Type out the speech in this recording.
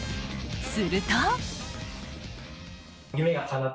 すると。